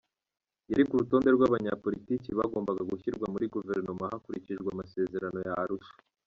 Yari ku rutonde rw’abanyapolitiki bagombaga gushyirwa muri Guverinoma hakurikijwe amasezerano ya Arusha.